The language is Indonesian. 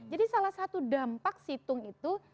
salah satu dampak situng itu